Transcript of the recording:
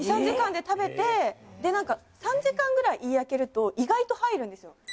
２３時間で食べてで何か３時間ぐらい胃あけると意外と入るんですよ。